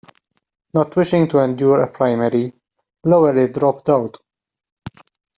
Not wishing to endure a primary, Lowery dropped out.